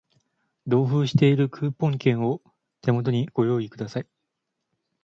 同封しているクーポン券を手元にご用意ください